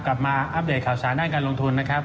มาอัปเดตข่าวสารด้านการลงทุนนะครับ